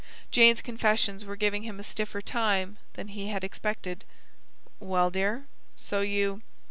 Jane's confessions were giving him a stiffer time than he had expected. "Well, dear, so you